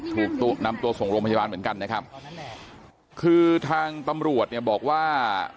ถูกนำตัวส่งโรงพยาบาลเหมือนกันนะครับคือทางตำรวจเนี่ยบอกว่า